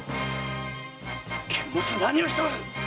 監物何をしておる！